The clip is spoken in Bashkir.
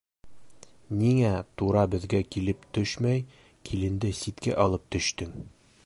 — Ниңә тура беҙгә килеп төшмәй, киленде ситкә алып төштөң?